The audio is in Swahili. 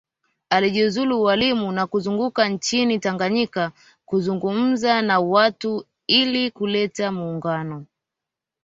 Alijiuzuru ualimu na kuzunguka nchini Tanganyika kuzungumza na watu ili kuleta muungano